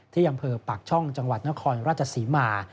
ที่อำเภอปากช่องจังหวัดนครราชศรีมา